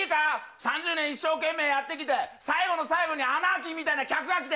３０年一生懸命やってきて、最後の最後にアナーキーみたいな客が来て。